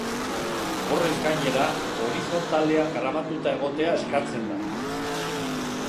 Horrez gainera, horizontalean grabatuta egotea eskatzen da.